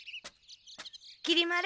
きり丸。